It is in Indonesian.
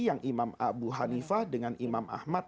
yang imam abu hanifah dengan imam ahmad